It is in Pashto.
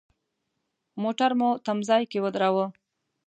موټر مو تم ځای کې ودراوه.